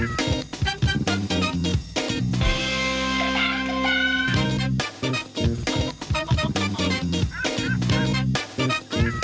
สวัสดีค่ะ